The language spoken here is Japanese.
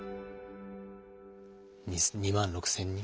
２万６，０００人？